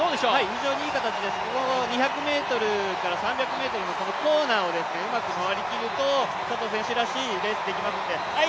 非常にいい形です、２００３００ｍのコーナーをうまく回りきると佐藤選手らしいレースができますので。